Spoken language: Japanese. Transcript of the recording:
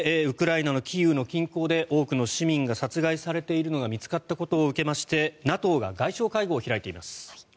ウクライナのキーウの近郊で多くの市民が殺害されているのが見つかったことを受けましてＮＡＴＯが外相会合を開いています。